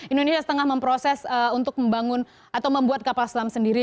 indonesia tengah memproses untuk membangun atau membuat kapal selam sendiri